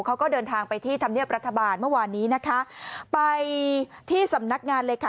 เขาก็เดินทางไปที่ธรรมเนียบรัฐบาลเมื่อวานนี้นะคะไปที่สำนักงานเลยค่ะ